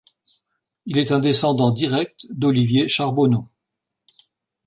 Il est un descendant direct d'Olivier Charbonneau.